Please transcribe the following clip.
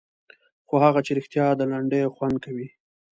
خو هغه چې رښتیا د لنډیو خوند کوي.